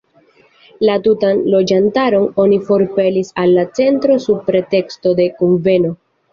La tutan loĝantaron oni forpelis al la centro sub preteksto de kunveno.